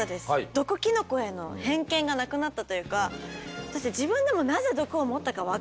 毒キノコへの偏見がなくなったというかだって自分でもなぜ毒を持ったか分からなかったって。